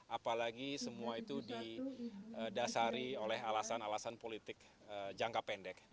apalagi semua itu didasari oleh alasan alasan politik jangka pendek